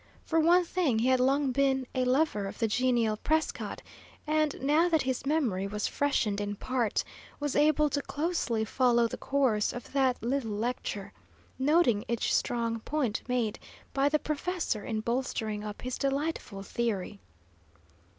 For one thing, he had long been a lover of the genial Prescott, and, now that his memory was freshened in part, was able to closely follow the course of that little lecture, noting each strong point made by the professor in bolstering up his delightful theory.